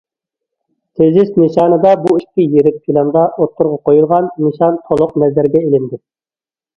‹‹ تېزىس›› نىشانىدا بۇ ئىككى يىرىك پىلاندا ئوتتۇرىغا قويۇلغان نىشان تولۇق نەزەرگە ئېلىندى.